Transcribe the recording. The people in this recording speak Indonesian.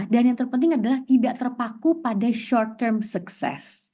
dan yang terpenting adalah tidak terpaku pada short term success